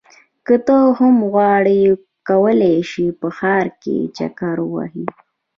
که ته هم غواړې کولی شې په ښار کې چکر ووهې.